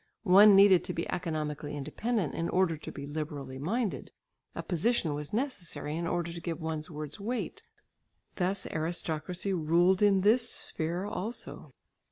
One needed to be economically independent in order to be liberally minded; a position was necessary in order to give one's words weight; thus aristocracy ruled in this sphere also.